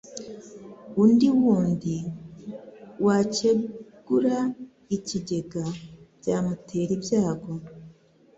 Undi wundi wakegura ikigega byamutera ibyago